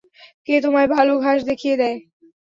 কে তোমায় ভালো ঘাস দেখিয়ে দেয়?